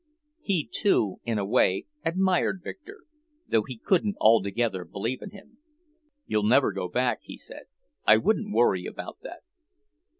He, too, in a way, admired Victor, though he couldn't altogether believe in him. "You'll never go back," he said, "I wouldn't worry about that."